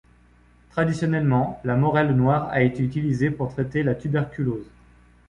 Traditionnellement la morelle noire a été utilisée pour traiter la tuberculose.